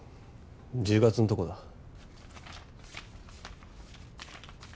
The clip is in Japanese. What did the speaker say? １０月んとこだ。